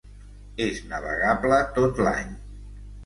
És navegable tot l'any.